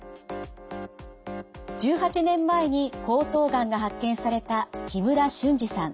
１８年前に喉頭がんが発見された木村俊治さん。